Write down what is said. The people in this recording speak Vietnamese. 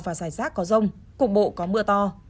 và giải rác có rông cụ bộ có mưa to